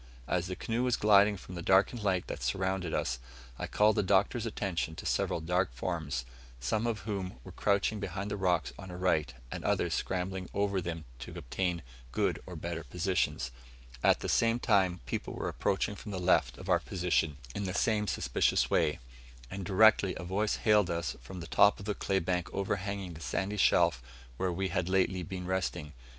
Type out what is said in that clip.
As the canoe was gliding from the darkened light that surrounded us, I called the Doctor's attention to several dark forms; some of whom were crouching behind the rocks on our right, and others scrambling over them to obtain good or better positions; at the same time people were approaching from the left of our position, in the same suspicious way; and directly a voice hailed us from the top of the clay bank overhanging the sandy shelf where we had lately been resting.